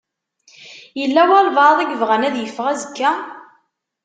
Yella walebɛaḍ i yebɣan ad iffeɣ azekka?